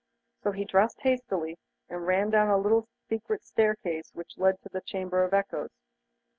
So he dressed hastily, and ran down a little secret staircase which led to the Chamber of Echoes.